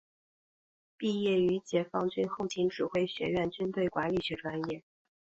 毕业于解放军后勤指挥学院军队管理学专业。